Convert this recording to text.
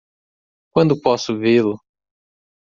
Quando posso vê-lo?